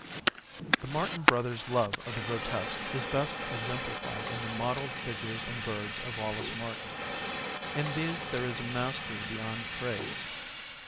The Martin Brothers' love of the grotesque is best exemplified in the modelled figures and birds of Wallace Martin. In these there is a mastery beyond praise.